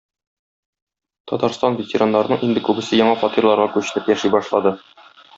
Татарстан ветераннарының инде күбесе яңа фатирларга күченеп яши башлады.